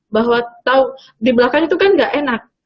bahwa tahu di belakang itu kan gak enak